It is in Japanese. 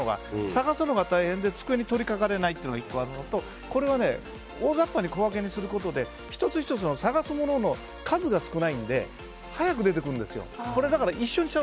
探すのが大変で机に取り掛かれないというのが１つあるのとこれは大雑把に小分けにすると１つ１つ探すものの数が少ないので早く出てくるんですよ。